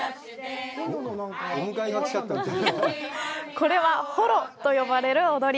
これは「ホロ」と呼ばれる踊り。